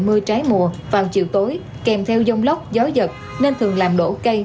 mưa trái mùa vào chiều tối kèm theo giông lóc gió giật nên thường làm đổ cây